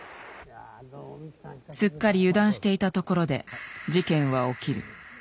すっかり油断していたところで事件は起きる。